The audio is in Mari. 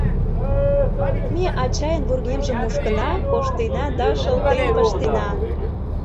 Ме ачайын вургемжым мушкына, коштена да шылтен пыштена.